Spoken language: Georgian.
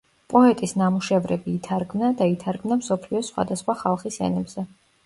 პოეტის ნამუშევრები ითარგმნა და ითარგმნა მსოფლიოს სხვადასხვა ხალხის ენებზე.